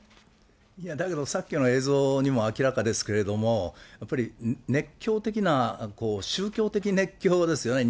いや、だけどさっきの映像にも明らかですけど、やっぱり、熱狂的な宗教的熱狂ですよね。